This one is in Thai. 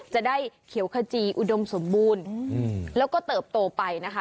จะได้เขียวขจีอุดมสมบูรณ์แล้วก็เติบโตไปนะคะ